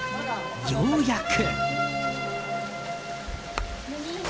ようやく。